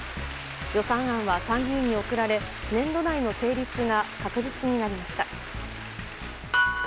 予算案は参議院に送られ年度内の成立が確実になりました。